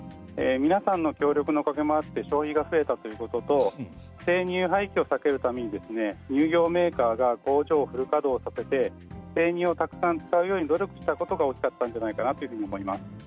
皆さんの協力のおかげもあって消費が増えたということと生乳廃棄を避けるために乳業メーカーが工場をフル稼働させて生乳をたくさん使うように努力したことが大きかったんじゃないかなというふうに思います。